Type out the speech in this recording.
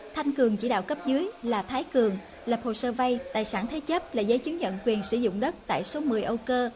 thanh cường chỉ đạo cấp dưới là thái cường lập hồ sơ vay tài sản thế chấp là giấy chứng nhận quyền sử dụng đất tại số một mươi âu cơ